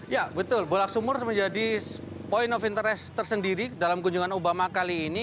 ya betul bola sumur menjadi point of interest tersendiri dalam kunjungan obama kali ini